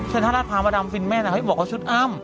เชิญธนาฏภาพมดรรมฟินแม่น่ะเค้าบอกว่าชุดอ้ำ